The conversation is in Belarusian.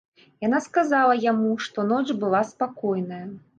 Яна сказала яму, што ноч была спакойная.